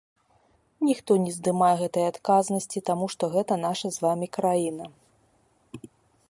Ніхто не здымае гэтай адказнасці, таму што гэта наша з вамі краіна.